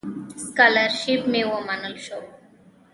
سکالرشیپ مې ومنل شو.